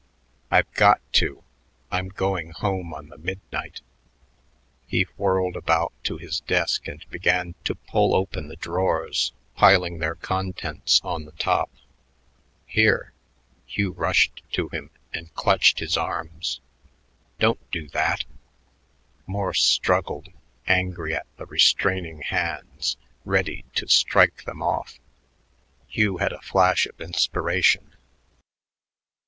I've got to. I'm going home on the midnight." He whirled about to his desk and began to pull open the drawers, piling their contents on the top. "Here!" Hugh rushed to him and clutched his arms. "Don't do that." Morse struggled, angry at the restraining hands, ready to strike them off. Hugh had a flash of inspiration.